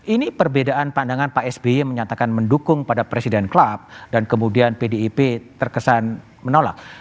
ini perbedaan pandangan pak sby menyatakan mendukung pada presiden club dan kemudian pdip terkesan menolak